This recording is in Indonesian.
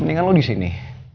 mendingan lo disini